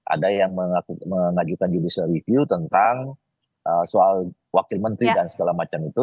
ada yang mengajukan judicial review tentang soal wakil menteri dan segala macam itu